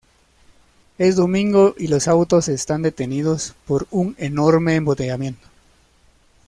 Es domingo y los autos están detenidos por un enorme embotellamiento.